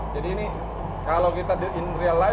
jadi ini kalau kita di in real life sudah banyak penumpang di sini